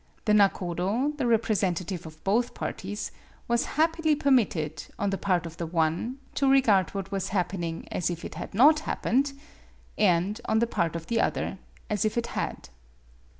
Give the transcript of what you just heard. The nakodo, the rep resentative of both parties, was happily per mitted, on the part of the one, to regard what was happening as if it had not happened, and, on the part of the other, as if it had.